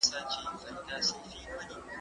زه مرسته نه کوم؟